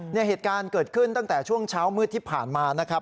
เหตุการณ์เกิดขึ้นตั้งแต่ช่วงเช้ามืดที่ผ่านมานะครับ